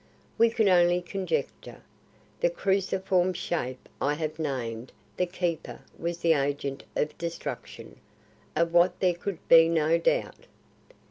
We could only conjecture. The cruciform Shape I have named the Keeper was the agent of destruction of that there could be no doubt.